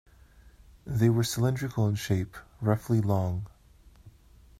They were cylindrical in shape, roughly long.